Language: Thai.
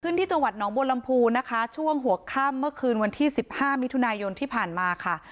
ที่จังหวัดหนองบัวลำพูนะคะช่วงหัวค่ำเมื่อคืนวันที่สิบห้ามิถุนายนที่ผ่านมาค่ะ